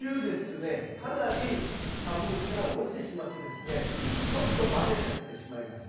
かなり株の力が落ちてしまってですねちょっとバテちゃってしまいます。